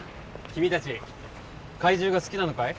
君たち怪獣が好きなのかい？